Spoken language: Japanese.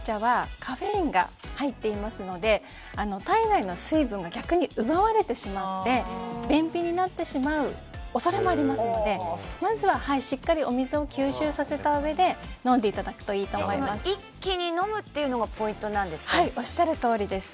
コーヒーや緑茶はカフェインが入っていますので体内の水分が逆に奪われてしまって便秘になってしまう恐れもありますのでまずはしっかりお水を吸収させたうえで一気に飲むっていうのがはい、おっしゃるとおりです。